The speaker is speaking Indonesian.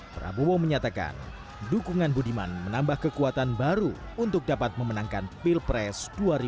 prabowo menyatakan dukungan budiman menambah kekuatan baru untuk dapat memenangkan pilpres dua ribu sembilan belas